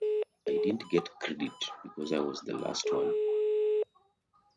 I didn't get credit because I was the last one.